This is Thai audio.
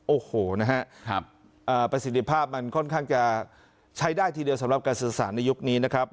โอ้โหนะฮะประสิทธิภาพมันค่อนข้างจะใช้ได้ทีเดียวสำหรับการสื่อสารในยุคนี้นะครับ